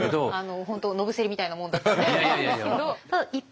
本当野伏みたいなもんだったんで。